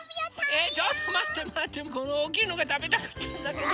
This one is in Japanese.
えちょっとまってまってこのおおきいのがたべたかったんだけど。